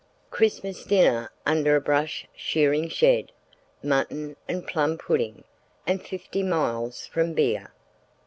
Christmas dinner under a brush shearing shed. Mutton and plum pudding—and fifty miles from beer!